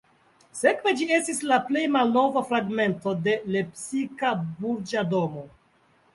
Sekve ĝi estas la plej malnova fragmento de lepsika burĝa domo.